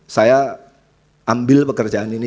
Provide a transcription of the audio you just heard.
saya ambil pekerjaan ini